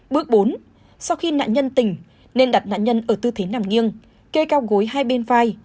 bước bốn sau khi nạn nhân tỉnh nên đặt nạn nhân ở tư thế nằm nghiêng kê cao gối hai bên vai